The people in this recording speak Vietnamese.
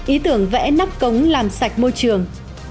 ý tưởng vẽ nắp cống làm sạch môi trường